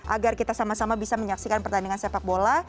agar kita sama sama bisa menyaksikan pertandingan sepakbola